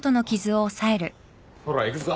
ほら行くぞ。